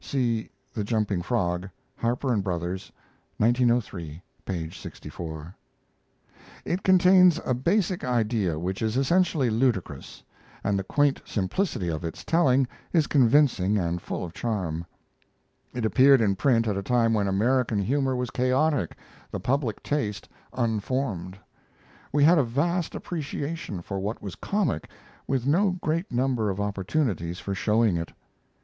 See The Jumping Frog, Harper & Bros., 1903, p. 64.] It contains a basic idea which is essentially ludicrous, and the quaint simplicity of its telling is convincing and full of charm. It appeared in print at a time when American humor was chaotic, the public taste unformed. We had a vast appreciation for what was comic, with no great number of opportunities for showing it.